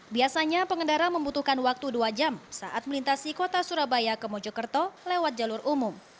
biasanya pengendara membutuhkan waktu dua jam saat melintasi kota surabaya ke mojokerto lewat jalur umum